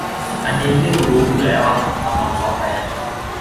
อันนี้ลิ่วรู้อยู่แล้วอ่ะ ทำนองซอฟต์แวร์